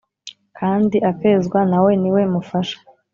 Kandi akezwa nawe niwe mufasha